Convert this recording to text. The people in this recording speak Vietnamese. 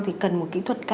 thì cần một kỹ thuật